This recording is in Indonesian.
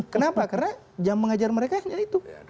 kenapa karena jam mengajar mereka hanya itu